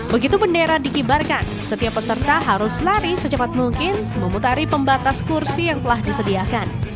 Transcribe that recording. begitu bendera dikibarkan setiap peserta harus lari secepat mungkin memutari pembatas kursi yang telah disediakan